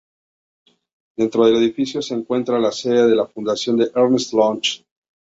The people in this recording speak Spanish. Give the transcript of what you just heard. Dentro del edificio se encuentra la sede de la Fundación Ernest Lluch.